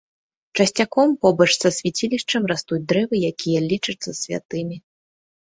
Часцяком побач са свяцілішчам растуць дрэвы, якія лічацца святымі.